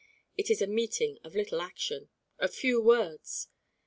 It is a meeting of little action, of few words.